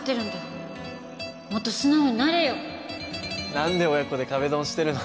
何で親子で壁ドンしてるの？